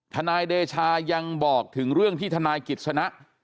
ทนายเดชายังบอกถึงเรื่องที่ทนายกิจสนะ